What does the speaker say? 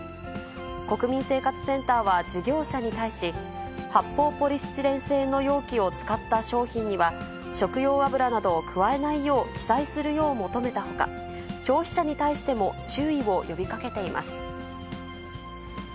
国民生活センターは、事業者に対し、発泡ポリスチレン製の容器を使った商品には、食用油などを加えないよう、記載するよう求めたほか、消費者に対しても、注意を呼びかけています。